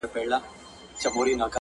ستا د مړو سترګو کاته زما درمان سي،